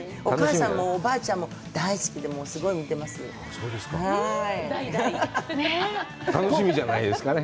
お母さんもおばあちゃんも大好きで、すごい見てます。